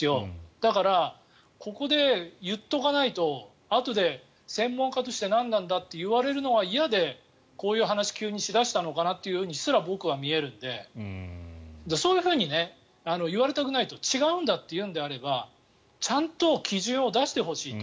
だから、ここで言っておかないとあとで専門家としてなんなんだと言われるのが嫌でこういう話を急にし出したのかなとすら僕には見えるのでそういうふうに言われたくない違うんだというのであればちゃんと基準を出してほしいと。